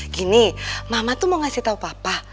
gini mama tuh mau ngasih tahu papa